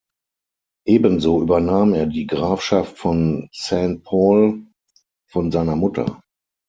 Ebenso übernahm er die Grafschaft von Saint-Pol von seiner Mutter.